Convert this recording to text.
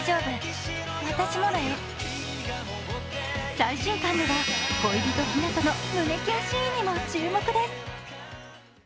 最新刊では、恋人・ひなとの胸きゅんシーンにも注目です。